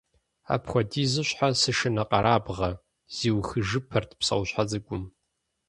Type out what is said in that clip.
Апхуэдизу щхьэ сышынэкъэрабгъэ? - зиухыжыпэрт псэущхьэ цӀыкӀум.